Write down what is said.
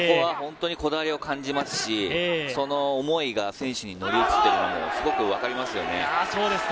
そこはこだわりを感じますし、その思いが選手に乗り移ってるなというのが分かりますよね。